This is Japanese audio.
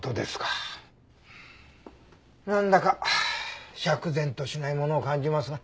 なんだか釈然としないものを感じますが。